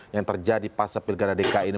yang terjadi pasapilgara dki ini